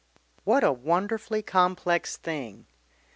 What a wonderfully complex thing!